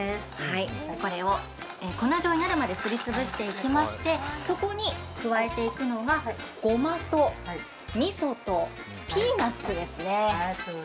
これを粉状になるまですり潰していきまして、そこに加えていくのが、ごまとみそとピーナツですね。